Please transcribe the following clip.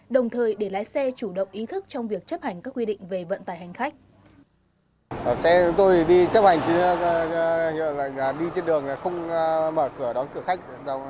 đồng thời để lái xe chủ động ý thức trong việc chấp hành các quy định về vận tải hành khách